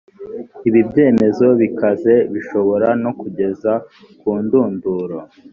ibi ibyemezo bikaze bishobora no kugeza ku ndunduro